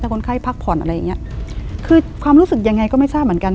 คนไข้พักผ่อนอะไรอย่างเงี้ยคือความรู้สึกยังไงก็ไม่ทราบเหมือนกัน